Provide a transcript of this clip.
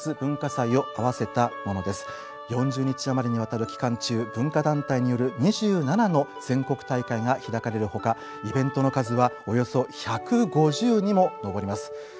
４０日余りにわたる期間中文化団体による２７の全国大会が開かれる他イベントの数はおよそ１５０にも上ります。